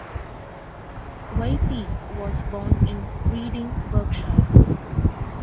Waite was born in Reading, Berkshire.